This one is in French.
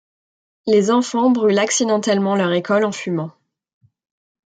Les enfants brûlent accidentellement leur école en fumant.